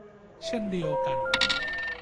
เช่นเดียวกัน